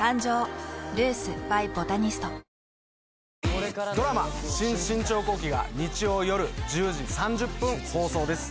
このあとドラマ『新・信長公記』が日曜夜１０時３０分放送です。